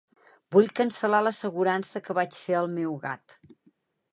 Vull cancel·lar l'assegurança que vaig fer al meu gat.